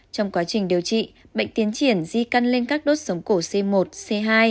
trong quá trình điều trị bệnh tiến triển di căn lên các đốt sống cổ c một c hai